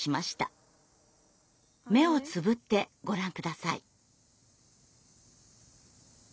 目をつぶってご覧下さい。